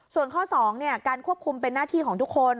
ส่วนข้อ๒การควบคุมเป็นหน้าที่ของทุกคน